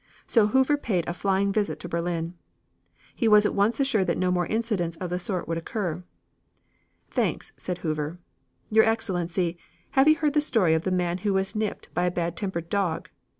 So Hoover paid a flying visit to Berlin. He was at once assured that no more incidents of the sort would occur. "Thanks," said Hoover. "Your Excellency, have you heard the story of the man who was nipped by a bad tempered dog?